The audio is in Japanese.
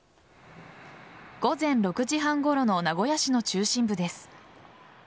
午前６時半ごろの名古屋市の中心部です。